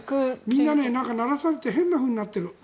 みんな流されて変なふうになってる。